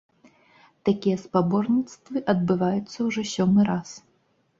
Такія спаборніцтвы адбываюцца ўжо сёмы раз.